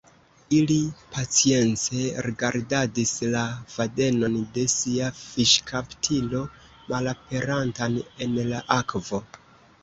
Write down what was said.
Ili pacience rigardadis la fadenon de sia fiŝkaptilo malaperantan en la akvo.